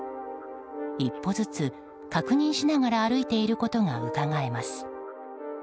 １歩ずつ、確認しながら歩いていることがうかがえます。